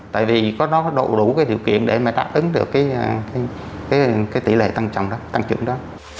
tại vì có đủ điều kiện để đáp ứng được tỷ lệ tăng trưởng đó